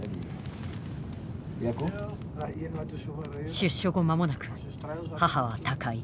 出所後間もなく母は他界。